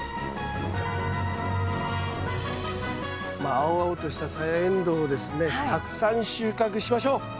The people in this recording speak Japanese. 青々としたサヤエンドウをですねたくさん収穫しましょう！